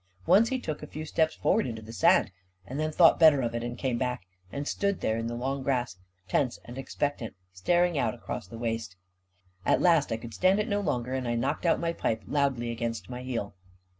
Once he took a few steps forward into the sand, and then thought better of it and came back, and stood there in the long grass, tense and expectant, staring out across the waste. At last I could stand it no longer, and I knocked out my pipe loudly against my heel.